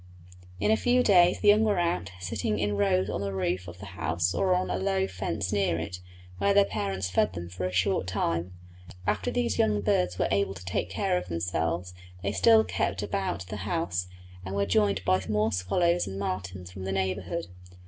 In a few days the young were out, sitting in rows on the roof of the house or on a low fence near it, where their parents fed them for a short time. After these young birds were able to take care of themselves they still kept about the house, and were joined by more swallows and martins from the neighbourhood.